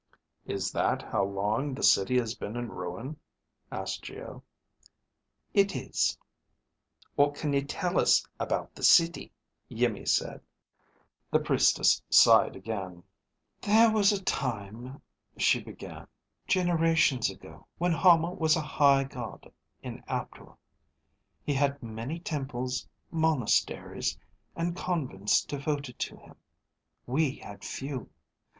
"Is that how long the city has been in ruin?" asked Geo. "It is." "What can you tell us about the city?" Iimmi said. The Priestess sighed again. "There was a time," she began, "generations ago, when Hama was a high God in Aptor. He had many temples, monasteries, and convents devoted to him. We had few.